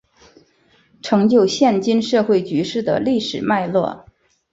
成就现今社会局势的历史脉络